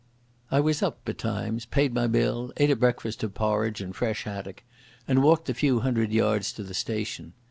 I was up betimes, paid my bill, ate a breakfast of porridge and fresh haddock, and walked the few hundred yards to the station.